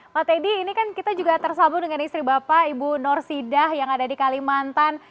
pak teddy ini kan kita juga tersambung dengan istri bapak ibu norsidah yang ada di kalimantan